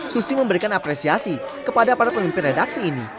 susi memberikan apresiasi kepada para pemimpin redaksi ini